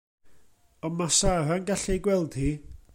Ond mae Sara'n gallu ei gweld hi.